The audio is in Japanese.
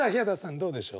どうでしょう？